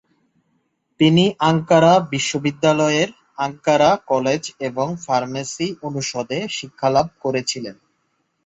তিনি আঙ্কারা বিশ্ববিদ্যালয়ের Ankara college এবং ফার্মেসি অনুষদে শিক্ষালাভ করেছিলেন।